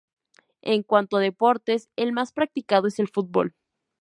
En cuanto a deportes, el más practicado es el fútbol.